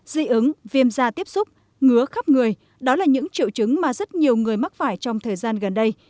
dị ứng viêm da tiếp xúc ngứa khắp người đó là những triệu chứng mà rất nhiều người mắc phải trong thời gian gần đây